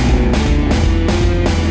udah bocan mbak